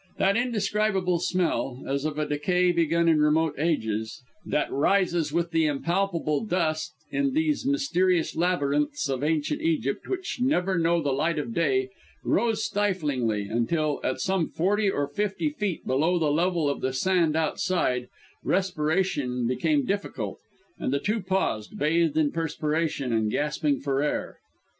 That indescribable smell, as of a decay begun in remote ages, that rises with the impalpable dust in these mysterious labyrinths of Ancient Egypt which never know the light of day, rose stiflingly; until, at some forty or fifty feet below the level of the sand outside, respiration became difficult, and the two paused, bathed in perspiration and gasping for air.